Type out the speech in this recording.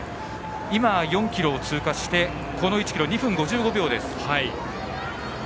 今、４ｋｍを通過してこの１ｋｍは２分５５秒です。